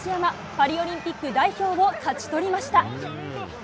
パリオリンピック代表を勝ち取りました。